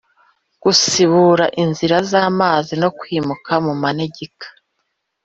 gusibura inzira z’amazi no kwimuka mu manegeka